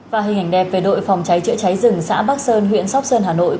và hình ảnh đẹp về đội phòng cháy chữa cháy rừng xã bắc sơn huyện sóc sơn hà nội